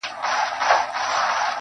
صبر تل خوږه پایله لري.